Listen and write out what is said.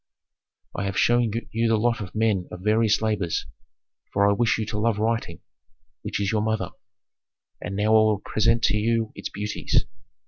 "I have shown you the lot of men of various labors, for I wish you to love writing, which is your mother, and now I will present to you its beauties.